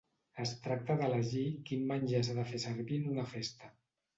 Es tracta d'elegir quin menjar s'ha de servir en una festa.